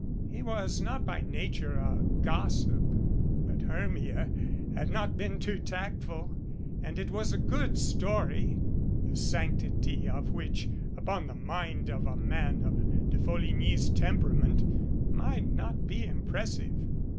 He was not by nature a gossip, but Hermia had not been too tactful and it was a good story the sanctity of which, upon the mind of a man of De Folligny's temperament, might not be impressive.